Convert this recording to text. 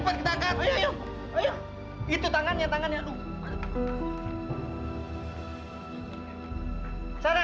pertanyaanmu empat cassie